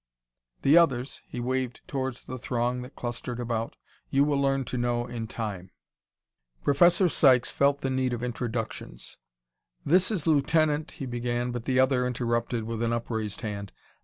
"The others," he waved toward the throng that clustered about "you will learn to know in time." Professor Sykes felt the need of introductions. "This is Lieutenant " he began, but the other interrupted with an upraised hand.